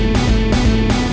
udah bocan mbak